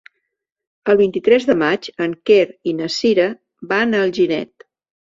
El vint-i-tres de maig en Quer i na Sira van a Alginet.